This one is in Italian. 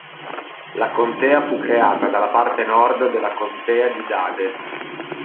La contea fu creata dalla parte nord della "Contea di Dade".